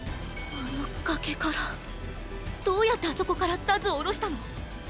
あの崖からどうやってあそこからダズを降ろしたの？